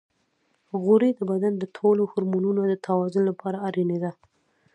غوړې د بدن د ټولو هورمونونو د توازن لپاره اړینې دي.